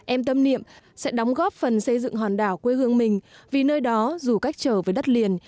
em tâm niệm sẽ đóng góp phần xây dựng hòn đảo quê hương mình vì nơi đó dù cách trở về đất liền